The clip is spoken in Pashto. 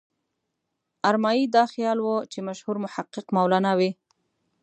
ارمایي دا خیال و چې مشهور محقق مولانا وي.